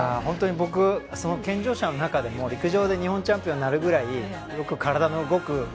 僕、健常者の中でも陸上で日本チャンピオンになるぐらい体の動く。